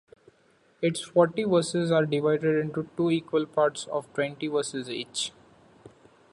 Its forty verses are divided into two equal parts of twenty verses each.